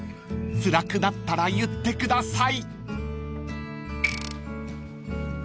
つらくなったら言ってください］